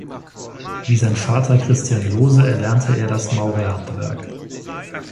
Wie sein Vater Christian Lohse erlernte er das Maurerhandwerk.